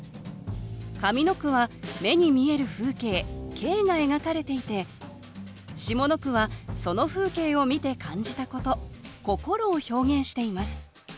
上の句は目に見える風景「景」が描かれていて下の句はその風景を見て感じたこと「心」を表現しています